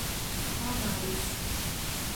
Palmares